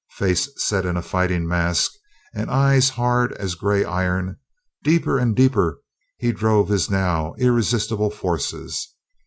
Face set in a fighting mask and eyes hard as gray iron, deeper and deeper he drove his now irresistible forces.